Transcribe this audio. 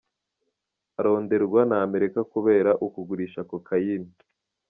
Aronderwa na Amerika kubera ukugurisha cocaine.